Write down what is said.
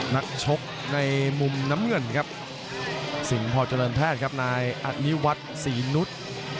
นักชกในมุมน้ำเงินครับสิงหอเจริญแพทย์ครับนายอนิวัฒน์ศรีนุษย์